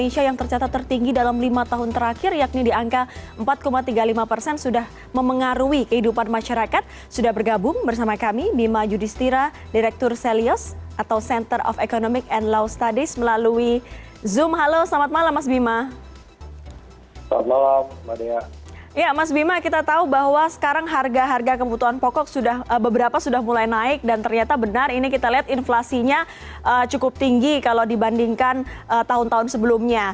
saya ingin mengetahui bahwa sekarang harga harga kebutuhan pokok beberapa sudah mulai naik dan ternyata benar ini kita lihat inflasinya cukup tinggi kalau dibandingkan tahun tahun sebelumnya